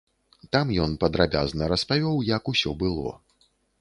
Там ён падрабязна распавёў, як усё было.